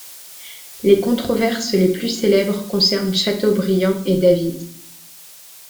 Les controverses les plus célèbres concernent Chateaubriand et David.